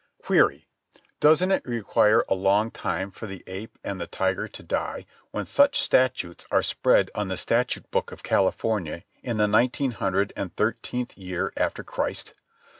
Query: Doesn't it require a long time for the ape and the tiger to die when such statutes are spread on the statute book of California in the nineteen hundred and thirteenth year after Christ?